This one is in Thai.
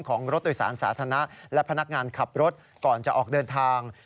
รถโดยสารสาธารณะและพนักงานขับรถก่อนจะออกเดินทาง